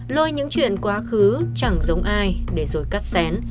lôi những chuyện quá khứ chẳng giống ai để rồi cắt xén